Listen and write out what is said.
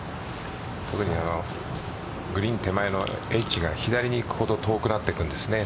特にグリーン手前のエッジが左にいくほど遠くなってくんです。